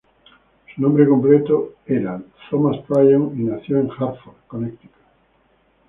Su nombre completo era Thomas Tryon, y nació en Hartford, Connecticut.